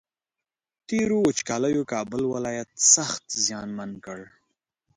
تېرو وچکالیو کابل ولایت سخت زیانمن کړ